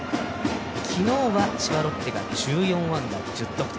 昨日は千葉ロッテが１４安打１０得点。